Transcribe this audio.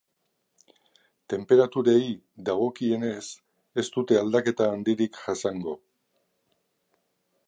Tenperaturei dagokienez, ez dute aldaketa handirik jasango.